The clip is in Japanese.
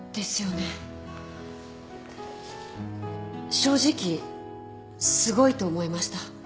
正直すごいと思いました。